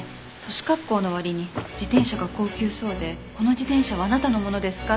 年格好の割に自転車が高級そうでこの自転車はあなたのものですか？